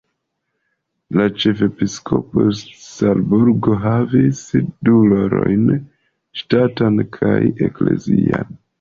La ĉefepiskopo de Salcburgo havis du rolojn: ŝtatan kaj eklezian.